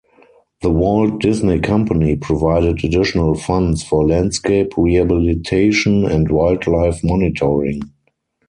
The Walt Disney Company provided additional funds for landscape rehabilitation and wildlife monitoring.